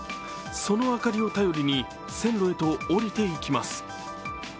その明かりを頼りに線路へと降りていきます。